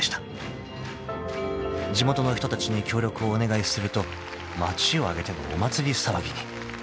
［地元の人たちに協力をお願いすると町を挙げてのお祭り騒ぎに］